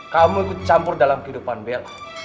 kamu ikut campur dalam kehidupan bel